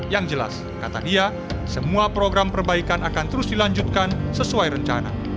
yang jelas kata dia semua program perbaikan akan terus dilanjutkan sesuai rencana